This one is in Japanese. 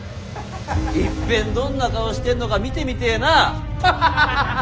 いっぺんどんな顔してんのか見てみてえな。